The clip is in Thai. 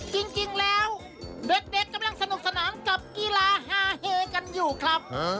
จริงแล้วเด็กกำลังสนุกสนานกับกีฬาฮาเฮกันอยู่ครับ